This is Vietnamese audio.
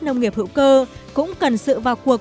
nông nghiệp hữu cơ cũng cần sự vào cuộc